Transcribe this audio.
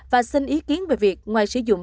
và xin ý kiến về việc ngoài sử dụng